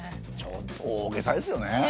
ちょっと大げさですよね。